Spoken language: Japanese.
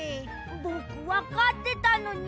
ぼくわかってたのに。